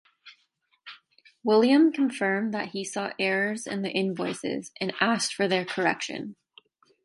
William confirmed that he saw errors in the invoices and asked for their correction.